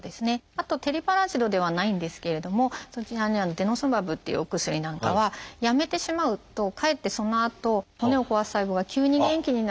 あとテリパラチドではないんですけれどもそちらにある「デノスマブ」っていうお薬なんかはやめてしまうとかえってそのあと骨を壊す細胞が急に元気になって。